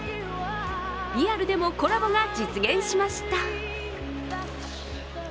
リアルでもコラボが実現しました。